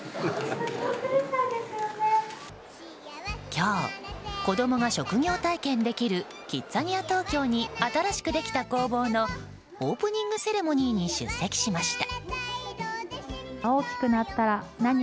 今日、子供が職業体験できるキッザニア東京に新しくできた工房のオープニングセレモニーに出席しました。